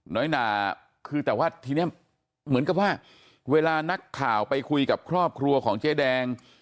หนาคือแต่ว่าทีนี้เหมือนกับว่าเวลานักข่าวไปคุยกับครอบครัวของเจ๊แดง